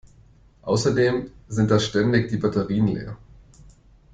Außerdem sind da ständig die Batterien leer.